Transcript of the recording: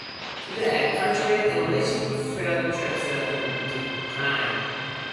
Today, culturally enriching field trips are in decline.